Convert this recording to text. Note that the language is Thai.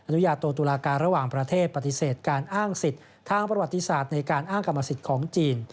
นุญาโตตุลาการระหว่างประเทศปฏิเสธการอ้างสิทธิ์ทางประวัติศาสตร์ในการอ้างกรรมสิทธิ์ของจีน